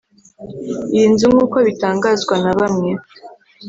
Iyi nzu nk’uko bitangazwa na bamwe